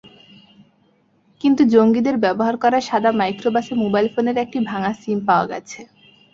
কিন্তু জঙ্গিদের ব্যবহার করা সাদা মাইক্রোবাসে মোবাইল ফোনের একটি ভাঙা সিম পাওয়া গেছে।